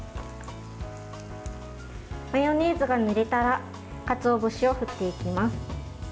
マヨネーズが塗れたらかつお節を振っていきます。